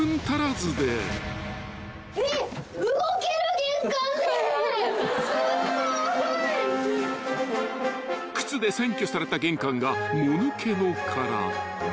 ［靴で占拠された玄関がもぬけの殻］